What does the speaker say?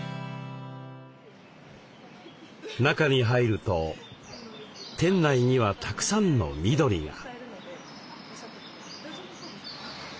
中に入ると店内にはたくさんの緑が。